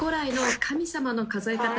神神様の数え方。